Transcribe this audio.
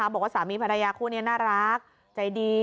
บอกว่าสามีภรรยาคู่นี้น่ารักใจดี